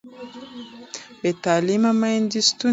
بې تعلیمه میندې ستونزه لري.